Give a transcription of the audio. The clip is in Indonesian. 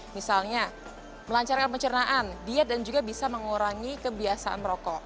misalnya melancarkan pencernaan diet dan juga bisa mengurangi kebiasaan merokok